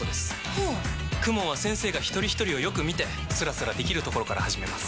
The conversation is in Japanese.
はぁＫＵＭＯＮは先生がひとりひとりをよく見てスラスラできるところから始めます。